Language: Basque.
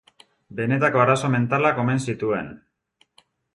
Benetako arazo mentalak omen zituen.